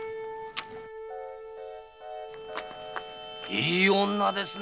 いい女ですね。